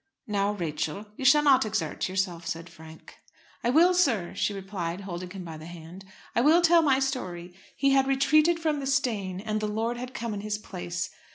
"Now, Rachel, you shall not exert yourself," said Frank. "I will, sir," she replied, holding him by the hand. "I will tell my story. He had retreated from the stain, and the lord had come in his place.